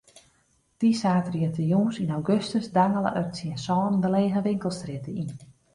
Dy saterdeitejûns yn augustus dangele er tsjin sânen de lege winkelstrjitte yn.